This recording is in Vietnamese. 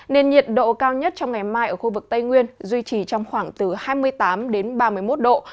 nên nhiệt độ cao nhất trong ngày mai ở khu vực tây nguyên duy trì trong khoảng từ hai mươi tám đến ba mươi một độ